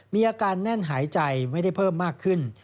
มีอาการแน่นหายใจไม่ได้เพิ่มมากขึ้น